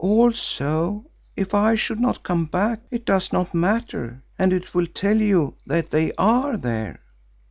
Also if I should not come back, it does not matter and it will tell you that they are there."